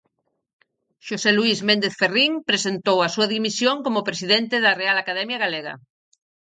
Xosé Luís Méndez Ferrín presentou a súa dimisión como presidente da Real Academia Galega.